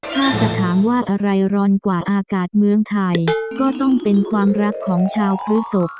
ถ้าจะถามว่าอะไรร้อนกว่าอากาศเมืองไทยก็ต้องเป็นความรักของชาวพฤศพ